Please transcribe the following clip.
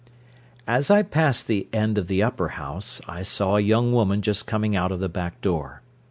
As I passed the end of the upper house, I saw a young woman just coming out of the back door.